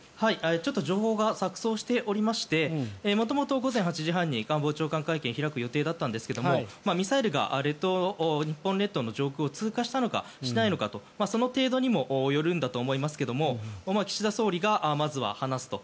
ちょっと情報が錯そうしておりまして元々、午前８時半に官房長官会見を開く予定だったんですがミサイルが日本列島の上空を通過したのか、しないのかとその程度にもよるんだと思いますが岸田総理が、まずは話すと。